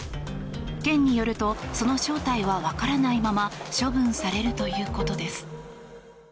県によるとその正体は分からないまま処分されるということです。